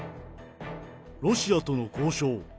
ロシアとの交渉